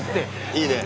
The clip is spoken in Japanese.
いいね！